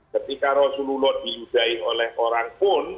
ketika rasulullah diudai oleh orang pun